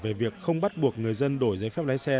về việc không bắt buộc người dân đổi giấy phép lái xe